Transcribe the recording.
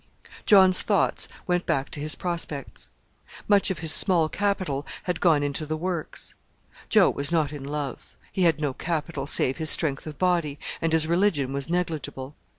John's thoughts went back to his prospects. Much of his small capital had gone into the works. Joe was not in love he had no capital save his strength of body, and his religion was negligible.